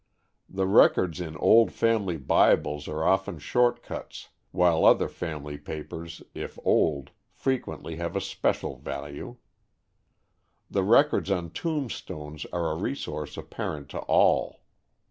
The records in old family Bibles are often "shortcuts," while other family papers, if old, frequently have a special value. The records on tombstones are a resource apparent to all.